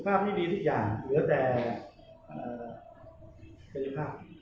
ภาพไม่ดีทุกอย่างเหลือแต่เกรงภาพ